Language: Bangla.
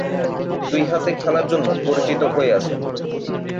দুই হাতে খেলার জন্য পরিচিত হয়ে আছেন।